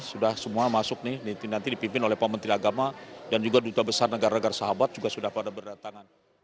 sudah semua masuk nih nanti dipimpin oleh pak menteri agama dan juga duta besar negara negara sahabat juga sudah pada berdatangan